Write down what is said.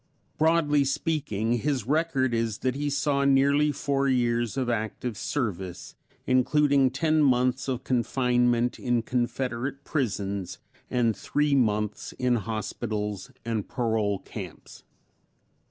Broadly speaking, his record is that he saw nearly four years of active service, including ten months of confinement in Confederate prisons and three months in hospitals and parole camps.